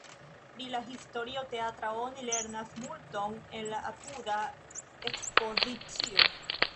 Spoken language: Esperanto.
Pri la historio teatra oni lernas multon en la apuda ekspozicio.